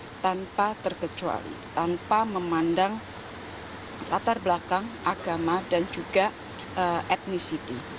jokowi mengatakan bahwa mereka harus berpikir dengan berat tanpa memandang latar belakang agama dan juga etnisiti